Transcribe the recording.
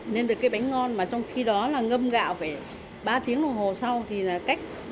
nên được cái bánh ngon mà trong khi đó là ngâm gạo phải ba tiếng đồng hồ sau thì là cách